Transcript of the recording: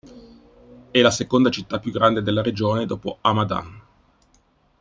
È la seconda città più grande della regione dopo Hamadan.